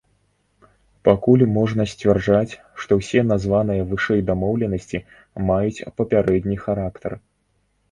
Пакуль можна сцвярджаць, што ўсе названыя вышэй дамоўленасці маюць папярэдні характар.